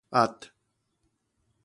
遏